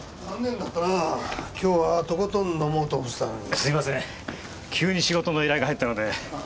すみません急に仕事の依頼が入ったので。